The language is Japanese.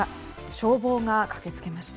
消防が駆け付けました。